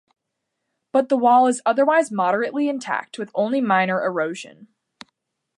But the wall is otherwise moderately intact with only minor erosion.